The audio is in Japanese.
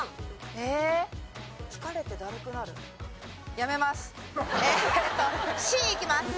えーっとＣいきます。